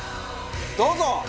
どうぞ！